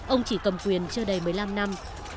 ông chỉ cầm quyền chưa đầy một mươi năm năm